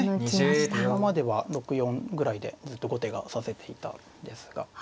今までは６４ぐらいでずっと後手が指せていたんですが。